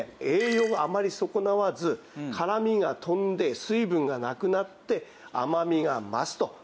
栄養はあまり損なわず辛みが飛んで水分がなくなって甘みが増すと。